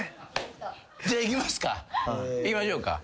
じゃあいきますか。